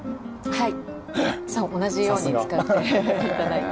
はい。